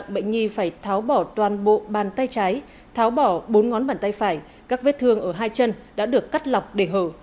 bộ bàn tay trái tháo bỏ bốn ngón bàn tay phải các vết thương ở hai chân đã được cắt lọc để hờ